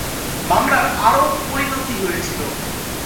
মামলার আরও পরিণতি হয়েছিল।